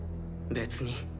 別に。